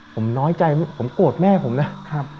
ผมน้อยใจผมโกรธแม่ผมนะ